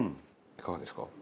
いかがですか？